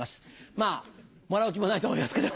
まぁもらう気もないと思いますけど。